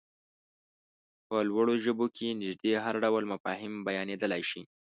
په لوړو ژبو کې نږدې هر ډول مفاهيم بيانېدلای شي.